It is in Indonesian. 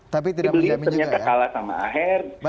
di beli ternyata kalah sama akhir